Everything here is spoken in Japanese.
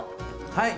はい！